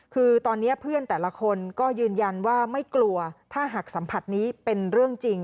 คือตอนนี้เพื่อนแต่ละคนก็ยืนยันว่าไม่กลัวถ้าหากสัมผัสนี้เป็นเรื่องจริง